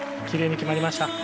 きれいに決まりました。